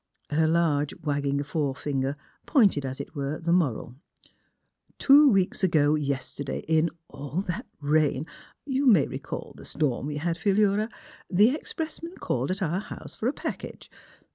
Her large wagging forefinger pointed, as it were, the moral. '' Two weeks ago yesterday — in all that rain !— You niay recall the storm we had, Philura? — the expressman called at our house for a package.